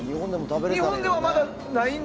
日本にはまだないんだ？